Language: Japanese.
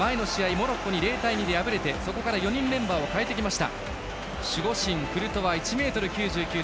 モロッコに０対２で敗れてそこから４人メンバーを代えてきました。